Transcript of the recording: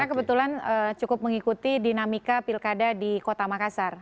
jadi kita kan cukup mengikuti dinamika pil kada di kota makassar